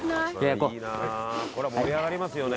「これは盛り上がりますよね」